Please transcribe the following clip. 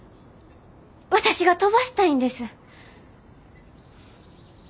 私が飛ばしたいんです。